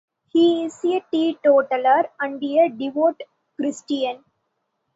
He is a teetotaller and a devout Christian.